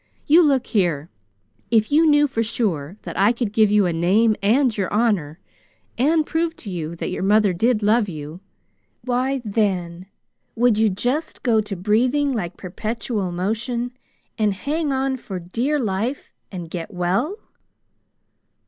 You look here! If you knew for sure that I could give you a name and your honor, and prove to you that your mother did love you, why, then, would you just go to breathing like perpetual motion and hang on for dear life and get well?"